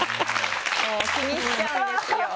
もう気にしちゃうんですよ。